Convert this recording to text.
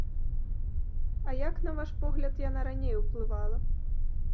А як, на ваш погляд, яна раней уплывала?